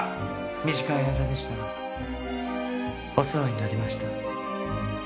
短い間でしたがお世話になりました。